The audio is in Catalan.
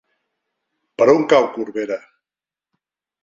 Per on cau Corbera?